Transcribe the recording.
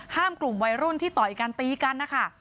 กลุ่มวัยรุ่นที่ต่อยกันตีกันนะคะ